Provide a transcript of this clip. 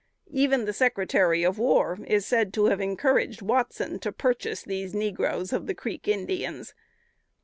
Even the Secretary of War is said to have encouraged Watson to purchase those negroes of the Creek Indians.